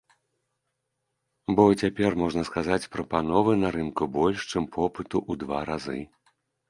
Бо цяпер, можна сказаць, прапановы на рынку больш, чым попыту, у два разы.